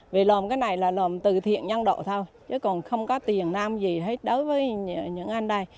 vì làm cái này là làm từ thiện nhân độ thôi chứ còn không có tiền nam gì hết đối với những anh đây